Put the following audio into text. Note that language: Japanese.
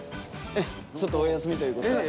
ちょっとお休みということで。